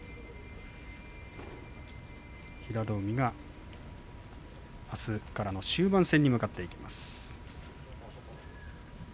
平戸海が、あすからの終盤戦に向かっていきます。